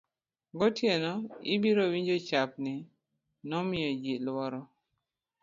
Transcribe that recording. gotieno ibiro winjo chapnigi nomiyo ji lworo